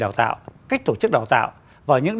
đào tạo cách tổ chức đào tạo và những